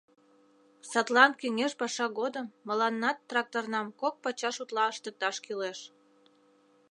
Садлан кеҥеж паша годым мыланнат тракторнам кок пачаш утла ыштыкташ кӱлеш.